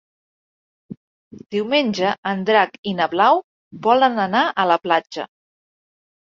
Diumenge en Drac i na Blau volen anar a la platja.